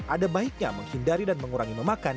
ada baiknya menghindari dan mengurangi memakan